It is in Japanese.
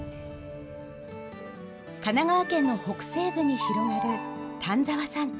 神奈川県の北西部に広がる丹沢山地。